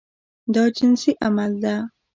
دا جنسي عمل ده.